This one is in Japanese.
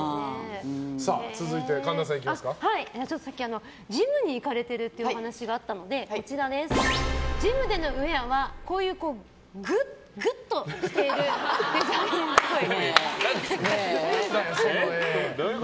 続いて、神田さん。さっきジムに行かれてるってお話があったのでジムでのウェアはこういうグッとしているデザインっぽい。